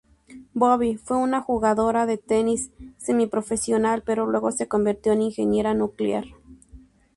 Bobby fue una jugadora de tenis semi-profesional pero luego se convirtió en ingeniera nuclear.